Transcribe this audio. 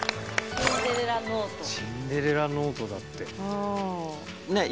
シンデレラノートだって。